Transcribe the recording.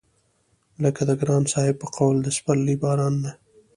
لکه د ګران صاحب په قول د سپرلي بارانونه